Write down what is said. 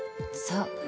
そう。